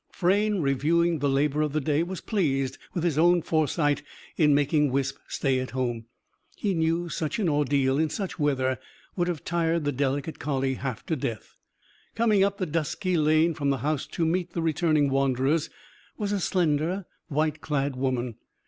Frayne, reviewing the labour of the day, was pleased with his own foresight in making Wisp stay at home. He knew such an ordeal, in such weather, would have tired the delicate collie half to death. Coming up the dusky lane from the house to meet the returning wanderers was a slender, white clad woman.